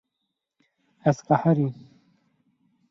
Ez qeherîm.